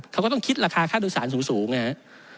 เขาก็ต้องคิดราคาข้าดโดยสารสูงนะฮะ